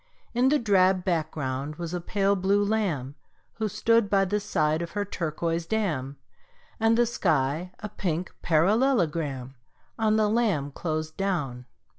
In the drab background was a pale blue lamb Who stood by the side of her turquoise dam, And the sky a pink parallelogram On the lamb closed down.